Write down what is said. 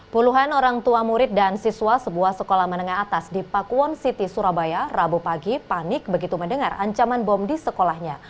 puluhan orang tua murid dan siswa sebuah sekolah menengah atas di pakuwon city surabaya rabu pagi panik begitu mendengar ancaman bom di sekolahnya